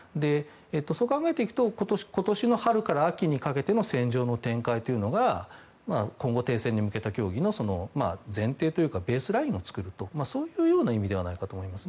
そう考えていくと今年の春から秋にかけての戦場の展開というのが今後の停戦に向けた協議のベースラインを作るという意味ではないかと思います。